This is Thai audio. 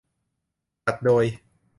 จัดโดย